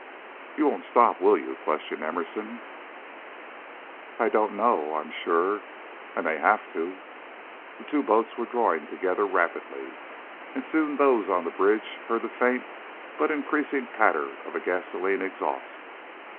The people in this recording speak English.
"You won't stop, will you?" questioned Emerson. "I don't know, I am sure. I may have to." The two boats were drawing together rapidly, and soon those on the bridge heard the faint but increasing patter of a gasoline exhaust.